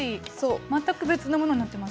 全く別のものになっています。